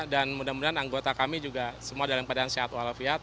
dan mudah mudahan anggota kami juga semua dalam keadaan sehat walafiat